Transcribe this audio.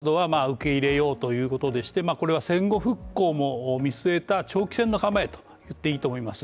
日本とアメリカ、ドイツなどは受け入れようということでしてこれは戦後復興も見据えた長期戦の構えと言っていいと思います。